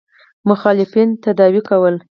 مخالفین تداوي کول.